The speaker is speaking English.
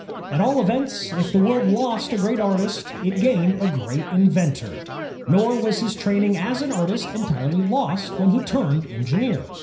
At all events, if the world lost a great artist, it gained a great inventor. Nor was his training as an artist entirely lost when he turned engineer.